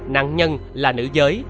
nạn nhân là nữ giới